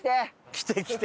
来て来て。